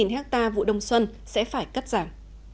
năm mươi hectare vụ đông xuân sẽ phải cất giảm